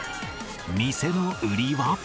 店の売りは。